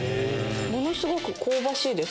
ものすごく香ばしいです